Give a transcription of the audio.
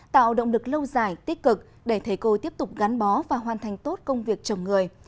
tạo động lực lâu dài tích cực để thầy cô tiếp tục gắn bó và hoàn thành tốt công việc chồng người